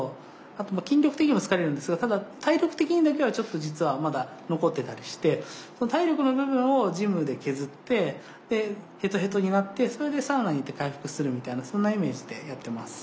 あと筋力的にも疲れるんですがただ体力的にだけはちょっと実はまだ残ってたりして体力の部分をジムで削ってヘトヘトになってそれでサウナ行って回復するみたいなそんなイメージでやってます。